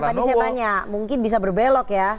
tadi saya tanya mungkin bisa berbelok ya